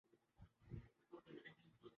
سب سے زیادہ اضافہ ڈیزل کے نرخ میں ہوا ہے